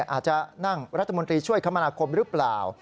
อาจจะนั่งรัฐมนตรีช่วยคมนาคมหรือเปล่า